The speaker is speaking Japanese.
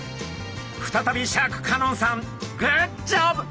再びシャーク香音さんグッジョブ！